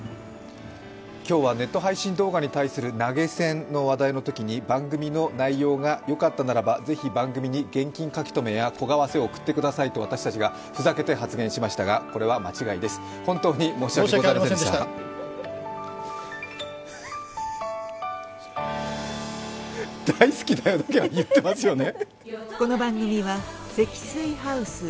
今日はネット配信動画に対する投げ銭の話題のときに番組の内容がよかったならば、ぜひ番組に現金書留や小為替を送ってくださいと私たちがふざけて発言しましたが今日も暑かったですね。